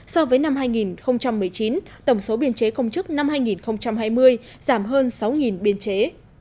so với năm hai nghìn một mươi chín tổng số biên chế công chức năm hai nghìn hai mươi giảm hơn sáu biên chế